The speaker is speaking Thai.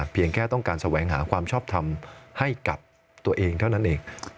เพียงแค่ต้องการแสวงหาความชอบทำให้กับตัวเองเท่านั้นเอง